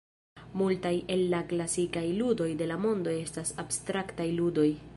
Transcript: Multaj el la klasikaj ludoj de la mondo estas abstraktaj ludoj.